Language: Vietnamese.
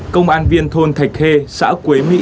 công an viên thôn thạch khê xã quế mỹ